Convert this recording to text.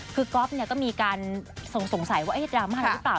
คือก๊อฟก็มีการสงสัยว่าดราม่าอะไรหรือเปล่า